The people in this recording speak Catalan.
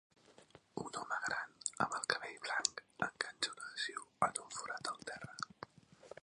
Un home gran amb el cabell blanc enganxa un adhesiu en un forat al terra.